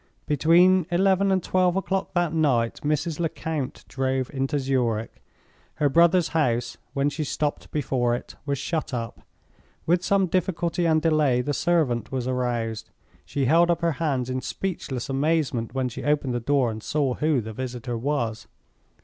Between eleven and twelve o'clock that night Mrs. Lecount drove into Zurich. Her brother's house, when she stopped before it, was shut up. With some difficulty and delay the servant was aroused. She held up her hands in speechless amazement when she opened the door and saw who the visitor was.